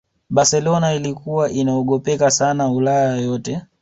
Barcelona ilikuwa inaogopeka sana ulaya yote